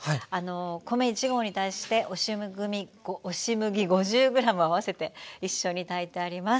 米１合に対して押し麦５０ｇ合わせて一緒に炊いてあります。